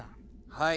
・はい。